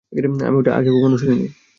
আমি এটা আগে কখনো শুনিনি।